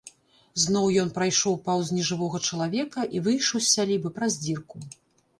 Зноў ён прайшоў паўз нежывога чалавека і выйшаў з сялібы праз дзірку.